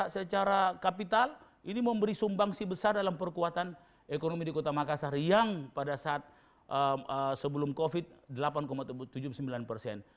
secara kapital ini memberi sumbangsi besar dalam perkuatan ekonomi di kota makassar yang pada saat sebelum covid delapan tujuh puluh sembilan persen